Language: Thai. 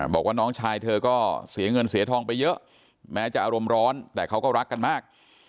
บอกว่าน้องชายเธอก็เสียเงินเสียทองไปเยอะแม้จะอารมณ์ร้อนแต่เขาก็รักกันมาก